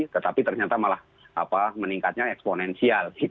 tetapi ternyata malah meningkatnya eksponensial